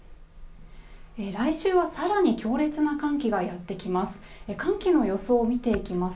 来週は更に強烈な寒気がやってきます。